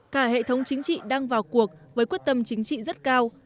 cả hệ thống chính trị đang vào cuộc với quyết tâm chính trị rất cao